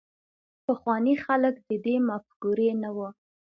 پخواني خلک د دې مفکورې نه وو.